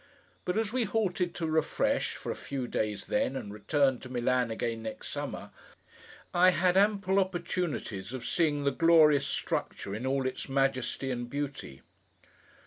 But as we halted to refresh, for a few days then, and returned to Milan again next summer, I had ample opportunities of seeing the glorious structure in all its majesty and beauty.